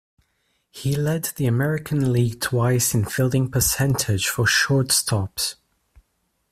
He led the American league twice in fielding percentage for shortstops.